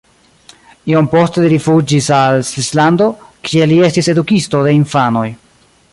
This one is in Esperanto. Iom poste li rifuĝis al Svislando, kie li estis edukisto de infanoj.